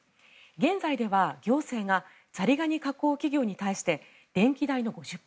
現在では行政がザリガニ加工企業に対して電気代の５０％